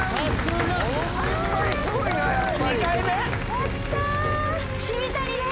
やった！